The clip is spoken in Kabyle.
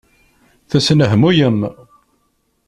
Tesnehmuyem.